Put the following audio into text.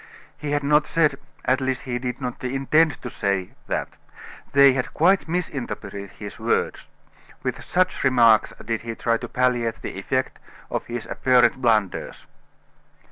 He had not said at least, he did not intend to say that; they had quite misinterpreted his words. With such remarks did he try to palliate the effect of his apparent blunders.